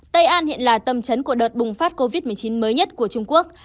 tây an hiện là tâm trấn của đợt bùng phát covid một mươi chín mới nhất của trung quốc